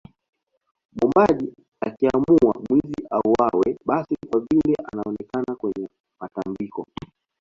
Mwombaji akiamua mwizi auawe basi kwa vile anaonekana kwenye matambiko